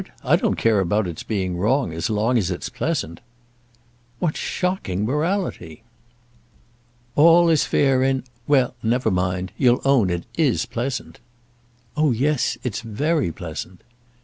I don't care about its being wrong as long as it's pleasant." "What shocking morality!" "All is fair in Well, never mind, you'll own it is pleasant." "Oh, yes; it's very pleasant."